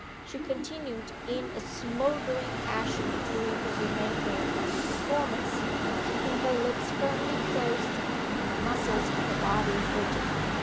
She continued in a smouldering passion during the remainder of the performance, keeping her lips firmly closed, and the muscles of her body rigid.